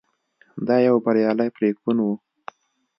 دا یو بریالی پرېکون و.